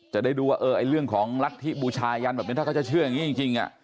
จะได้ดูว่าเรื่องของรัฐธิบูชายันแบบนี้ถ้าเขาจะเชื่ออย่างนี้จริง